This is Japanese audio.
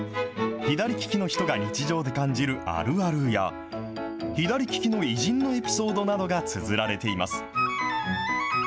左利きの人が日常で感じるあるあるや、左利きの偉人のエピソードなどがつづられています。